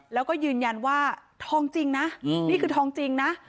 แล้วก็ยืนยันว่าทองจริงนะนี่คือทองจริงนะ